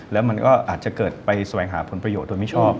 แล้วมันก็อาจจะเกิดไปแสวงหาผลประโยชน์โดยมิชอบ